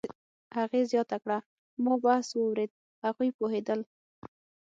هغې زیاته کړه: "ما بحث واورېد، هغوی پوهېدل